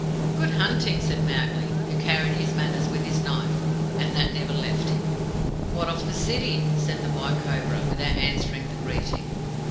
"Good hunting!" said Mowgli, who carried his manners with his knife, and that never left him. "What of the city?" said the White Cobra, without answering the greeting.